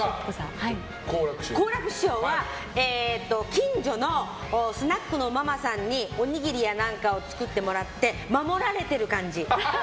好楽師匠は近所のスナックのママさんにおにぎりやなんかを作ってもらって守られてる感じ。